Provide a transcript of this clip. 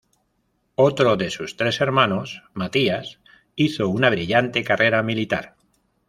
Otro de sus tres hermanos, Matías, hizo una brillante carrera militar.